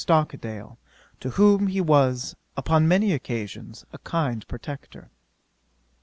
Stockdale, to whom he was, upon many occasions, a kind protector.